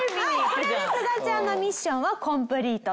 これですがちゃんのミッションはコンプリートと。